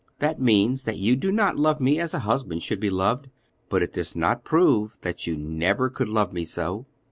That means that you do not love me as a husband should be loved, but it does not prove that you never could love me so."